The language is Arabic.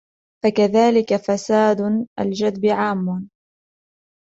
فَكَذَلِكَ فَسَادُ الْجَدْبِ عَامٌّ